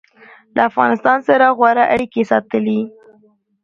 له افغانستان سره غوره اړیکې ساتلي